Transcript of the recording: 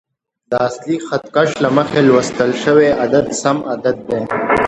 د اصلي خط کش له مخې لوستل شوی عدد سم عدد دی.